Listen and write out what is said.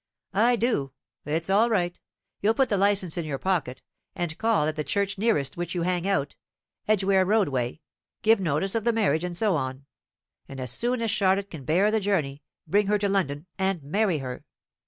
"I do. It's all right; you'll put the licence in your pocket, and call at the church nearest which you hang out, Edgware Road way, give notice of the marriage, and so on; and as soon as Charlotte can bear the journey, bring her to London and marry her.